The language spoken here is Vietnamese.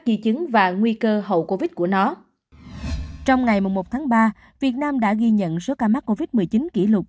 di chứng và nguy cơ hậu covid của nó trong ngày một tháng ba việt nam đã ghi nhận số ca mắc covid một mươi chín kỷ lục